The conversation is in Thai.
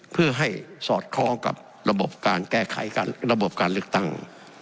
เพื่อให้สอดคล้องกับระบบการแก้ไขระบบการเลือกตั้ง